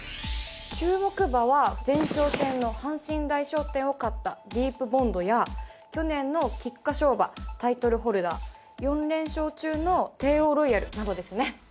注目馬は前哨戦の阪神大賞典を勝ったディープボンドや去年の菊花賞馬タイトルホルダー４連勝中のテーオーロイヤルなどですね